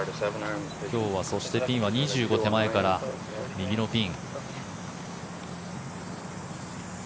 今日はピンは２５手前から右のピン。